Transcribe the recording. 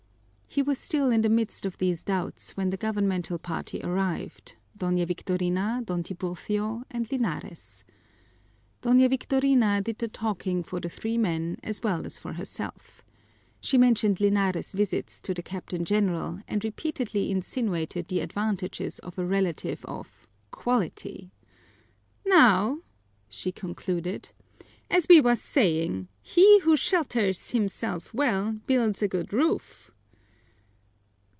He was still in the midst of these doubts when the governmental party arrived, Doña Victorina, Don Tiburcio, and Linares. Doña Victorina did the talking for the three men as well as for herself. She mentioned Linares' visits to the Captain General and repeatedly insinuated the advantages of a relative of "quality." "Now," she concluded, "as we was zaying: he who zhelterz himzelf well, builds a good roof."